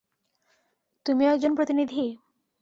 তুমিও একজন প্রতিনিধি?